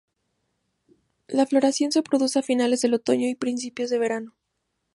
La floración se produce a finales del otoño y principios de verano.